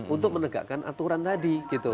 untuk menegakkan aturan tadi